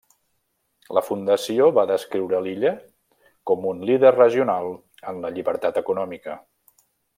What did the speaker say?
La fundació va descriure l'illa com un líder regional en la llibertat econòmica.